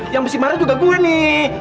yang mesti marah juga gue nih